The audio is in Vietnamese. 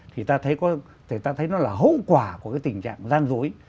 thì ta thấy nó là hỗn quả của tình trạng gian dối